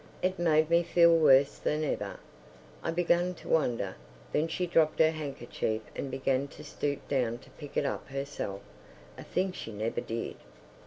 It made me feel worse than ever. I began to wonder... then she dropped her handkerchief and began to stoop down to pick it up herself—a thing she never did.